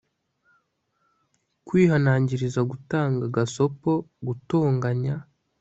kwihanangiriza gutanga gasopo gutonganya